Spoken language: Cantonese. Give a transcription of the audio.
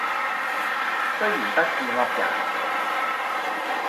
雖然不是惡人，